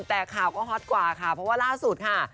แต่ข่าวก็ฮอตกว่าค่ะเพราะว่าล่าสุดค่ะ